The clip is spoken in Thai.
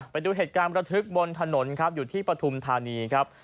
ไปดูเหตุการณ์ประทึกบนถนนครับอยู่ที่ปฐุมธานีครับ